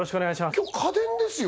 今日家電ですよ